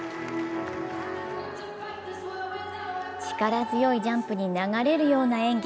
力強いジャンプに流れるような演技。